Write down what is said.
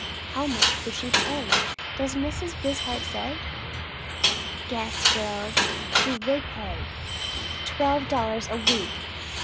"How much would she pay? Does Mrs. Wishart say?" "Guess, girls! She would pay twelve dollars a week."